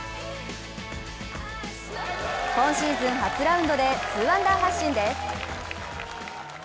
今シーズン初ラウンドで２アンダー発進です。